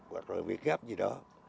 hoặc việc gáp gì đó